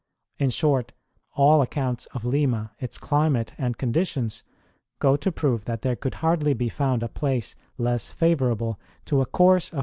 In short, all accounts of Lima, its climate and conditions, go to prove that there could hardly be found a place less favourable to a course of per 3 34 ST.